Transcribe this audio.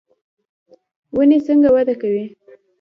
ونې څنګه وده کوي؟